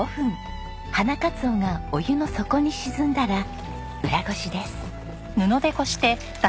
花かつおがお湯の底に沈んだら裏ごしです。